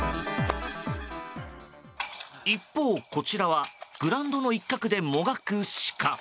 一方、こちらはグランドの一角で、もがくシカ。